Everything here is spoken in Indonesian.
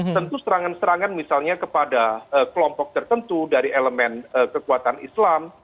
tentu serangan serangan misalnya kepada kelompok tertentu dari elemen kekuatan islam